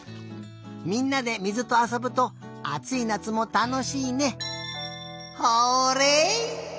みんなで水とあそぶとあついなつもたのしいね。